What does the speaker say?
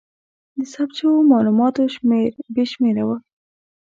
د ثبت شوو مالوماتو شمېر بې شمېره و.